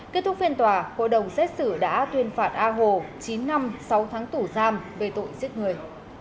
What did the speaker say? kết thúc phiên tòa hội đồng xét xử đã tuyên phạt a hồ chín năm sáu tháng tủ giam về tội giết người